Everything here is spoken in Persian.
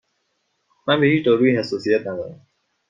من به هیچ دارویی حساسیت ندارم.